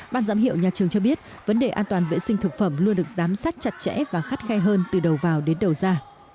ban giám hiệu nhà trường cho biết vấn đề an toàn vệ sinh thực phẩm luôn được giám sát chặt chẽ và khắt khe hơn từ đầu vào đến đầu ra